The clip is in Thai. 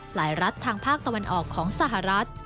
รัฐทางภาคตะวันออกของสหรัฐ